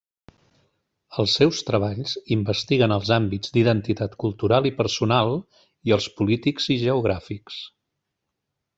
Els seus treballs investiguen els àmbits d'identitat cultural i personal, i els polítics i geogràfics.